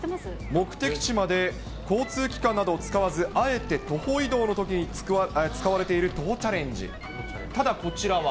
目的地まで交通機関などを使わず、あえて徒歩移動のときに使われている、徒歩チャレンジ。